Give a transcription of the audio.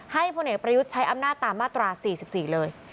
ให้ผู้เหนียกประยุทธใช้อำนาจตามมาตรา๔๔เลย